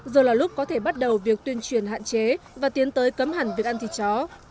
giờ là lúc có thể bắt đầu việc tuyên truyền hạn chế và tiến tới cấm hẳn việc ăn thịt chó